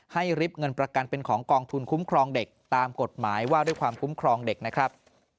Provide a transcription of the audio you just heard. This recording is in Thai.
ริบเงินประกันเป็นของกองทุนคุ้มครองเด็กตามกฎหมายว่าด้วยความคุ้มครองเด็กนะครับ